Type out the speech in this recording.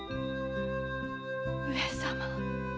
上様！